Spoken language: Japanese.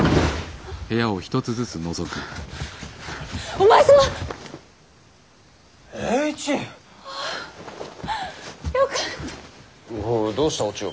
おいどうしたお千代。